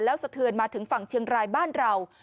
สะเทือนมาถึงฝั่งเชียงรายบ้านเรา